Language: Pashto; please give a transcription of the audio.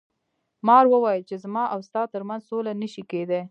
مار وویل چې زما او ستا تر منځ سوله نشي کیدی.